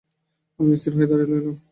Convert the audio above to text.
আমিও স্থির হইয়া দাঁড়াইয়া রহিলাম।